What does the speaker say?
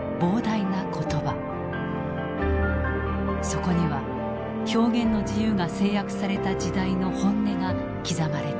そこには表現の自由が制約された時代の本音が刻まれている。